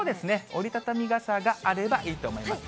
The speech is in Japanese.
折り畳み傘があればいいと思います。